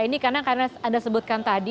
ini karena anda sebutkan tadi